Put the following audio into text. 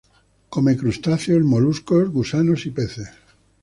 Come crustáceos, moluscos, gusanos, y peces.